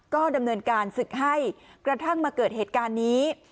ก็ดำเนินการศึกให้กระทั่งมาเกิดเหตุการณ์นี้